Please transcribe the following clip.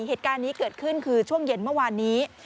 เหตุการณ์นี้เกิดขึ้นคือช่วงเย็นเมื่อวานนี้